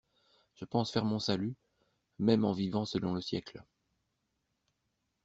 Je pense faire mon salut, même en vivant selon le siècle.